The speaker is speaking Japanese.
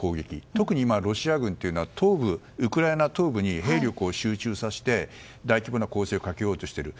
特に今、ロシア軍はウクライナ東部に兵力を集中させて大規模な攻勢をかけようとしている。